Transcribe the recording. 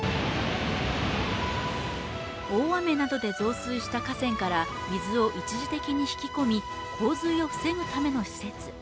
大雨などで増水した河川から水を一時的に引き込み洪水を防ぐための施設。